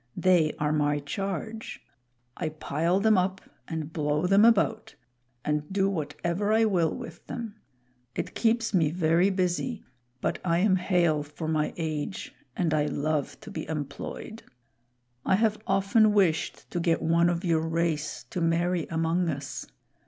They are my charge. I pile them up and blow them about and do whatever I will with them. It keeps me very busy, but I am hale for my age, and I love to be employed. I have often wished to get one of your race to marry among us.